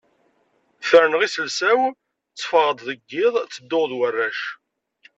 Ferrneɣ iselsa-w, tteffɣeɣ deg yiḍ, ttedduɣ d warrac.